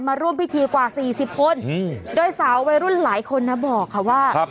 มาร่วมพิธีกว่า๔๐คนโดยสาววัยรุ่นหลายคนนะบอกค่ะว่า